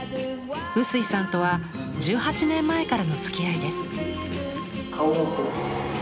臼井さんとは１８年前からのつきあいです。